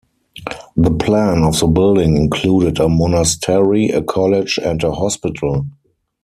The plan of the building included a monastery, a college, and a hospital.